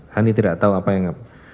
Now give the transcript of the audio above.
hani tidak tahu apa yang